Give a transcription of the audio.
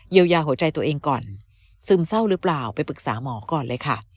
ยายาหัวใจตัวเองก่อนซึมเศร้าหรือเปล่าไปปรึกษาหมอก่อนเลยค่ะ